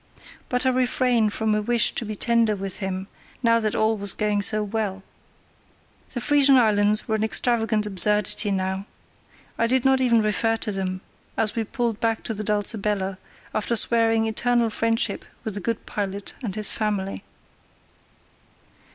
But I refrained from a wish to be tender with him, now that all was going so well. The Frisian Islands were an extravagant absurdity now. I did not even refer to them as we pulled back to the Dulcibella, after swearing eternal friendship with the good pilot and his family.